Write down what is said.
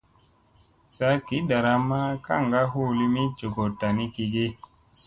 Saa gi ɗaramma kaŋga hu limi jogoɗta ni gege ?